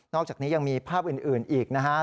อกจากนี้ยังมีภาพอื่นอีกนะครับ